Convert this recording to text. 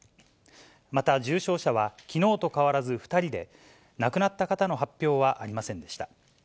また重症者は、きのうと変わらず２人で、亡くなった方の発表はありませんでした。